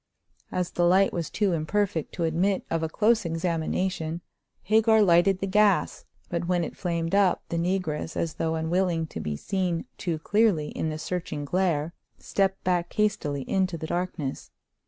As the light was too imperfect to admit of a close examination, Hagar lighted the gas, but when it flamed up the negress, as though unwilling to be seen too clearly in the searching glare, stepped back hastily into the darkness.